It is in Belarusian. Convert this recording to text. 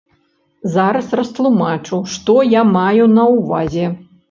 Зараз растлумачу, што я маю на ўвазе.